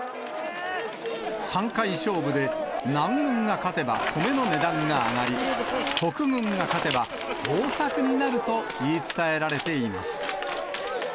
３回勝負で南軍が勝てば米の値段が上がり、北軍が勝てば豊作になると言い伝えられています。